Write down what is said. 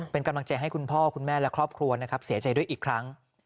เป็นกำลังใจให้คุณพ่อคุณแม่และครอบครัวนะครับเสียใจด้วยอีกครั้ง